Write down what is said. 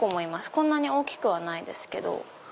こんなに大きくはないですけど。